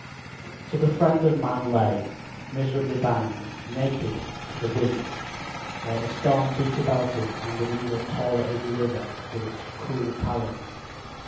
So the friend of man lay, miserably bound, naked to the winds, while the storms beat about him and an eagle tore at his liver with its cruel talons.